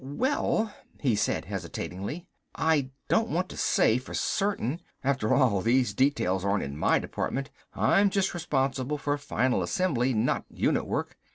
"Well," he said hesitatingly, "I don't want to say for certain. After all these details aren't in my department, I'm just responsible for final assembly, not unit work.